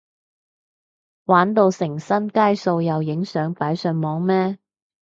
玩到成身街數又影相擺上網咩？